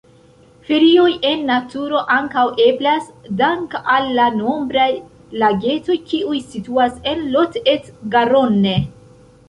Ferioj en naturo ankaŭ eblas, dank'al la nombraj lagetoj kiuj situas en Lot-et-Garonne.